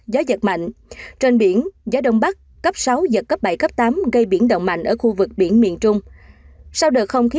gió giật mạnh trên biển gió đông bắc cấp sáu giật cấp bảy cấp tám gây biển động mạnh